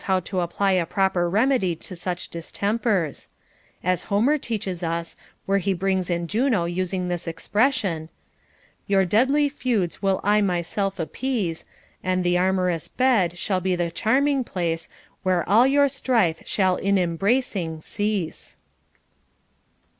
501 how to apply a proper remedy to such distempers ; as Homer te pression : Homer teaches us, where he brings in Juno using this ex Your deadly feuds will I myself appease, And th' amorous bed shall be the charming place Where all your strife shall in embracing cease.